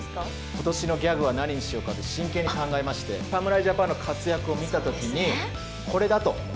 ことしのギャグは何にしようかと真剣に考えまして、侍ジャパンの活躍を見たときに、これだと。